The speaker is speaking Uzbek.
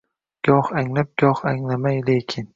Goh anglab, goh anglamay, lekin